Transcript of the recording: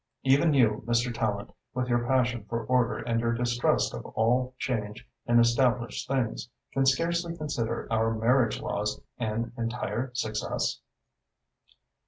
Even you, Mr. Tallente, with your passion for order and your distrust of all change in established things, can scarcely consider our marriage laws an entire success?"